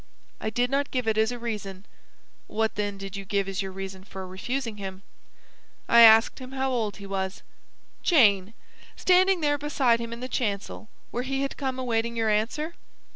"I did not give it as a reason." "What then did you give as your reason for refusing him?" "I asked him how old he was." "Jane! Standing there beside him in the chancel, where he had come awaiting your answer?"